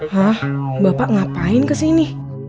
hah bapak ngapain kesini